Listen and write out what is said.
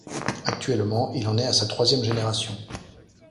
Actuellement, il en est à sa troisième génération.